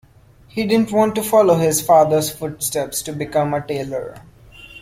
He didn't want to follow his fathers footsteps to become a tailor.